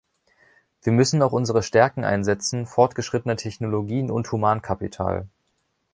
Wir müssen auch unsere Stärken einsetzen fortgeschrittene Technologien und Humankapital.